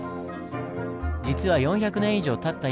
実は４００年以上たった